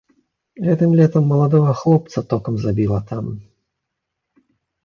Гэтым летам маладога хлопца токам забіла там.